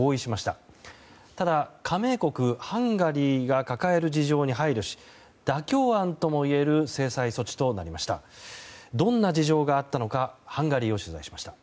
ただ、加盟国ハンガリーが抱える事情に配慮し妥協案ともいえる制裁措置となりました。